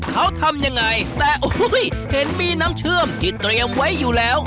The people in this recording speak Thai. เขาทำยังไงแต่โอ้โหเห็นมีน้ำเชื่อมที่เตรียมไว้อยู่แล้ว